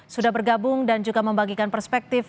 sudah bergabung dan juga membagikan perspektif